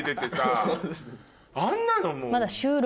あんなのもう。